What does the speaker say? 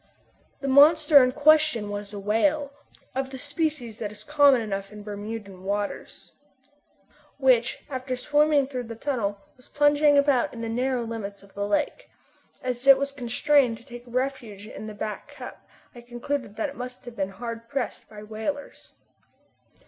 The monster in question was a whale, of the species that is common enough in Bermudan waters, which after swimming through the tunnel was plunging about in the narrow limits of the lake. As it was constrained to take refuge in Back Cup I concluded that it must have been hard pressed by whalers.